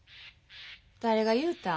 誰が言うたん？